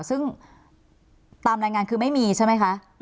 ซึ่งตามรายงานคือไม่มีใช่ไหมคะ